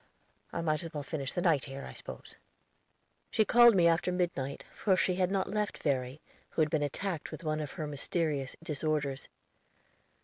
I might as well finish the night here, I spose." She called me after midnight, for she had not left Verry, who had been attacked with one of her mysterious disorders.